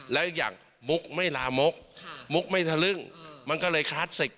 แล้วอย่างมุกไม่ลามกมุกไม่ทะลึ่งมันก็เลยคลาสสิก